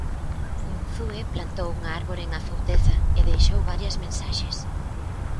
Unzué plantou unha árbore en Afouteza e deixou varias mensaxes.